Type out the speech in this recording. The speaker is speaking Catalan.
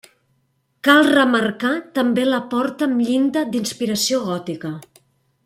Cal remarcar també la porta amb llinda d'inspiració gòtica.